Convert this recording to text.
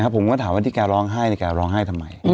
ผมก็ถามว่าที่แกร้องไห้แกร้องไห้ทำไม